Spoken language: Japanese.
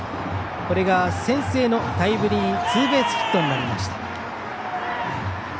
これが先制のタイムリーツーベースヒットになりました。